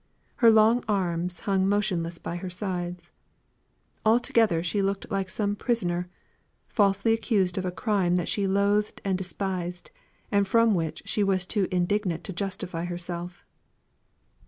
Her long arms hung motionless by her sides. Altogether she looked like some prisoner, falsely accused of a crime that she loathed and despised, and from which she was too indignant to justify herself.